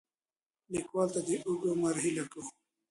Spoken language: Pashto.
لیکوال ته د اوږد عمر هیله کوو.